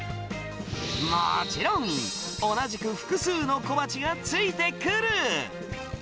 もちろん、同じく複数の小鉢が付いてくる。